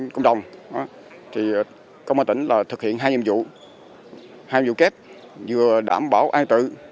công an tỉnh đã thực hiện hai nhiệm vụ hai nhiệm vụ kép vừa đảm bảo an tự